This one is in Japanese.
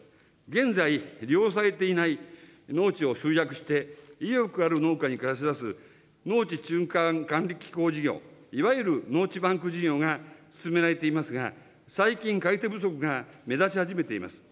現在、利用されていない農地を集約して、意欲ある農家に貸し出す農地中間管理機構事業、いわゆる農地バンク事業が進められていますが、最近、借り手不足が目立ち始めています。